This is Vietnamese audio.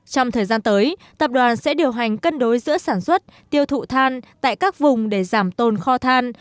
trong thời gian tới tập đoàn sẽ điều hành cân đối giữa sản xuất tiêu thụ than tại các vùng để giảm tồn kho than